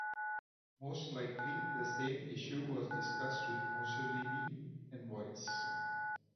Most likely the same issue was discussed with Mussolini envoys.